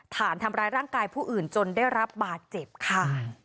ฐานทำร้ายร่างกายผู้อื่นจนได้รับบาดเจ็บค่ะ